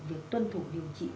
việc tuân thủ điều trị